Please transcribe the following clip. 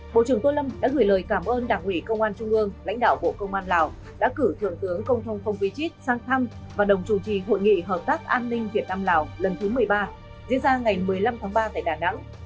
bộ trưởng tô lâm đã gửi lời cảm ơn đảng ủy công an trung ương lãnh đạo bộ công an lào đã cử thượng tướng công thông phong vy chít sang thăm và đồng chủ trì hội nghị hợp tác an ninh việt nam lào lần thứ một mươi ba diễn ra ngày một mươi năm tháng ba tại đà nẵng